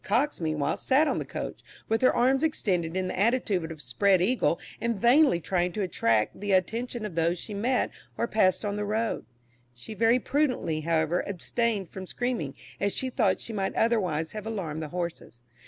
Cox meanwhile sat on the coach, with her arms extended in the attitude of a spread eagle, and vainly trying to attract the attention of those she met or passed on the road. She very prudently, however, abstained from screaming, as she thought she might otherwise have alarmed the horses.